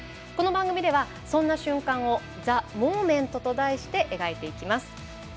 この番組では、そんな瞬間をＴＨＥＭＯＭＥＮＴと題して描いていきます。